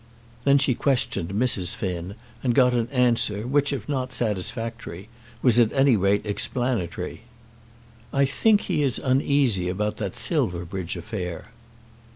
Then she questioned Mrs. Finn, and got an answer which, if not satisfactory, was at any rate explanatory. "I think he is uneasy about that Silverbridge affair."